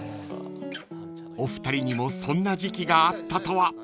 ［お二人にもそんな時期があったとは］